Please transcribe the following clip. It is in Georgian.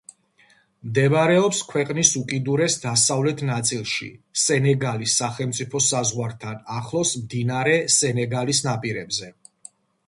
მდებარეობს ქვეყნის უკიდურეს დასავლეთ ნაწილში, სენეგალის სახელმწიფო საზღვართან ახლოს მდინარე სენეგალის ნაპირებზე.